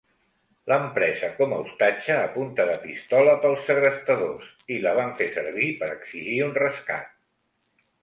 L'han presa com a ostatge a punta de pistola pels segrestadors i la van fer servir per exigir un rescat.